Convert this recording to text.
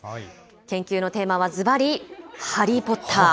研究のテーマはずばり、ハリー・ポッター。